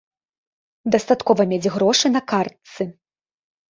Дастаткова мець грошы на картцы.